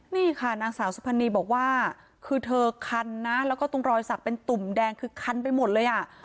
นี่ค่ะนางสาวสุพรรณีบอกว่าคือเธอคันนะแล้วก็ตรงรอยสักเป็นตุ่มแดงคือคันไปหมดเลยอ่ะ